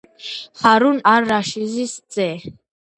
ჰარუნ არ-რაშიდის ძე.